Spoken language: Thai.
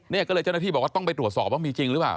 เนี่ยก็เลยเจ้าหน้าที่บอกว่าต้องไปตรวจสอบว่ามีจริงหรือเปล่า